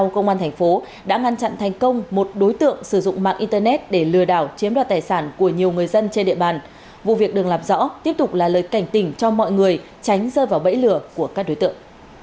các đối tượng đã lừa đảo nhiều người với số tiền trên hai trăm linh triệu đồng